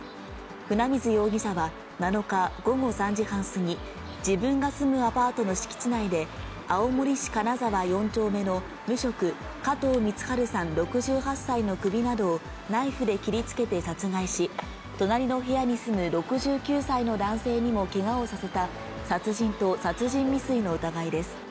船水容疑者は７日午後３時半過ぎ、自分が住むアパートの敷地内で、青森市金沢４丁目の無職、加藤光晴さん６８歳の首などをナイフで切りつけて殺害し、隣の部屋に住む６９歳の男性にもけがをさせた殺人と殺人未遂の疑いです。